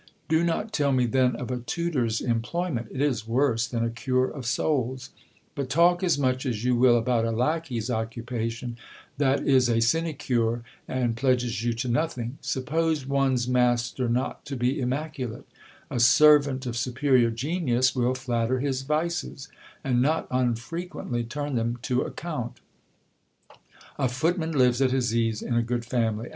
Do not tell me then of a tutor's employment ; it is worse than a cure of souls. But talk as much as you will about a lacquey's occupation, that is a sinecure, and pledges you to nothing. Suppose one's master not to be immaculate? A sen ant of superior genius will Hatter his vices, and not unfrequently turn them to account. A footman lives at his ease in a good family.